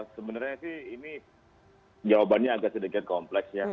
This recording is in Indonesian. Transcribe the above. sebenarnya sih ini jawabannya agak sedikit kompleks ya